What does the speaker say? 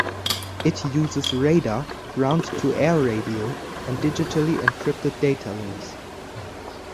It uses radar, ground-to-air radio and digitally encrypted data links.